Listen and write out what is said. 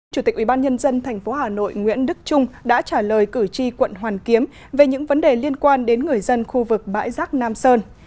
chủ tịch ubnd tp hà nội nguyễn đức trung đã trả lời cử tri quận hoàn kiếm về những vấn đề liên quan đến người dân khu vực bãi rác nam sơn